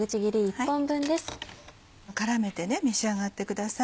絡めて召し上がってください。